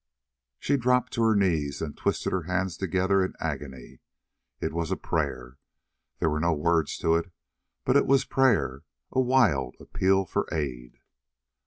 She dropped to her knees, and twisted her hands together in agony. It was prayer. There were no words to it, but it was prayer, a wild appeal for aid.